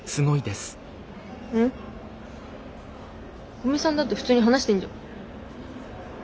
古見さんだってフツーに話してんじゃん。